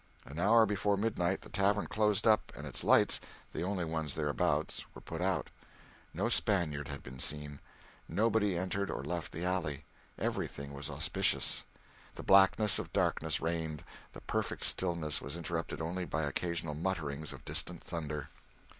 An hour before midnight the tavern closed up and its lights (the only ones thereabouts) were put out. No Spaniard had been seen. Nobody had entered or left the alley. Everything was auspicious. The blackness of darkness reigned, the perfect stillness was interrupted only by occasional mutterings of distant thunder.